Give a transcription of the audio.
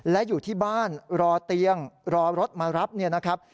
และอยู่ที่บ้านรอเตียงรอรถมารับเนี่ยนะครับ